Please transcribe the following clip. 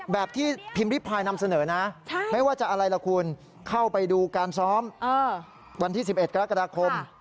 แบบที่พิมพ์ริพายนำเสนอนะไม่ว่าจะอะไรล่ะคุณเข้าไปดูการซ้อมวันที่๑๑กรกฎาคม